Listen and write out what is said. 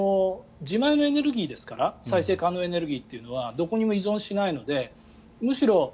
自前のエネルギーですから再生可能エネルギーというのはどこにも依存しないのでむしろ